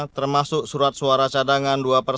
termasuk surat suara cadangan dua dari dpt